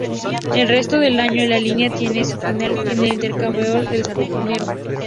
El resto del año la línea tiene su final en el Intercambiador del Sardinero.